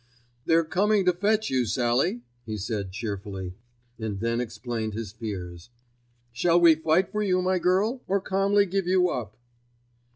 "They're coming to fetch you, Sallie," he said cheerfully, and then explained his fears. "Shall we fight for you, my girl, or calmly give you up?"